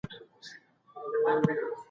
که څېړنه کوئ نو له نورو علومو هم ګټه واخلئ.